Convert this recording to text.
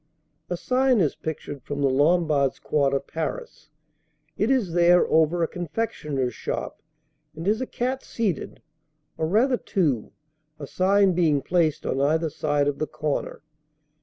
A sign is pictured from the Lombards' quarter, Paris. It is there over a confectioner's shop, and is a cat seated, or rather two, a sign being placed on either side of the corner.